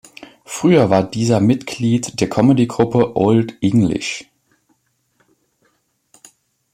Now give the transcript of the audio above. Früher war dieser Mitglied der Comedy-Gruppe Olde English.